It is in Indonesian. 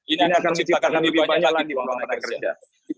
ini akan menciptakan lebih banyak lagi penyerapan rakyat kerja